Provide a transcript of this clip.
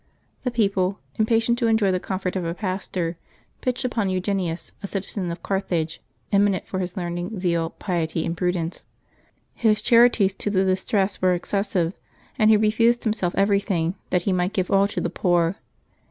The people, impatient to enjoy the comfort of a pastor, pitched upon Eugenius, a citizen of Carthage, eminent for his learning, zeal, piety, and prudence. His charities to the distressed were excessive, and he refused himself everything that he might give all to the poor.